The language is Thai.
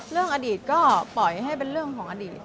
เรื่องอดีตก็ปล่อยให้เป็นเรื่องของอดีต